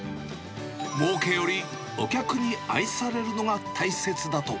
もうけよりお客に愛されるのが大切だと。